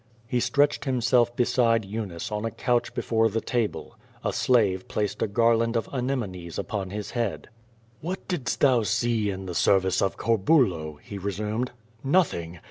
He stretched himself beside Eunice on a couch before the table. A slave placed a garland of anemones upon his head. "What didst thou see in the service of Corbulo?" he re sumed. "Nothing!